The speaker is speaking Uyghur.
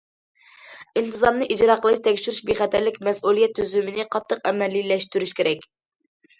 ئىنتىزامنى ئىجرا قىلىش، تەكشۈرۈش بىخەتەرلىك مەسئۇلىيەت تۈزۈمىنى قاتتىق ئەمەلىيلەشتۈرۈش كېرەك.